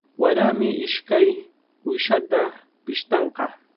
Warami ishkay uyshata pishtanqa.